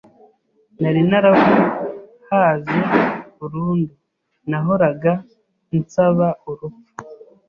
nari narabuhaze burundu nahoraga nsaba urupfu